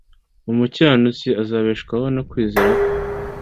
umukiranutsi azabeshwaho no kwizera kwe